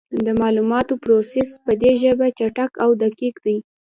د معلوماتو پروسس په دې ژبه چټک او دقیق دی.